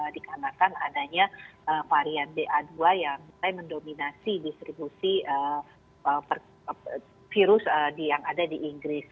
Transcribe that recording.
dikarenakan adanya varian ba dua yang mulai mendominasi distribusi virus yang ada di inggris